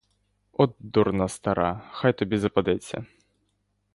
От дурна стара, хай тобі западеться!